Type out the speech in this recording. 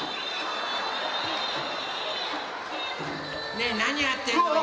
ねえなにやってんのよ？